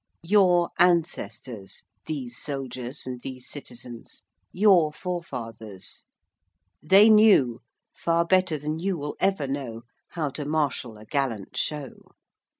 Your ancestors, these soldiers and these citizens: your forefathers. They knew, far better than you will ever know, how to marshal a gallant show.